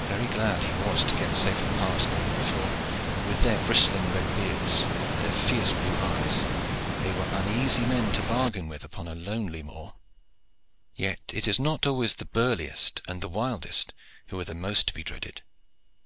Very glad he was to get safely past them, for, with their bristling red beards and their fierce blue eyes, they were uneasy men to bargain with upon a lonely moor. Yet it is not always the burliest and the wildest who are the most to be dreaded.